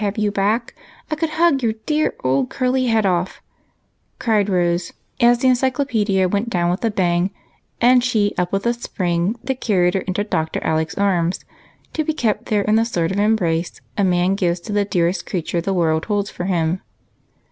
and now I 'm so happy to have you back I could hug your dear old curly head off," cried Rose, as the Encyclopedia went down with a bang, and she up with a spring that carried her into Dr. Alec's arms, to be kept there in the sort of embrace a man gives to the dearest creature the world holds for him.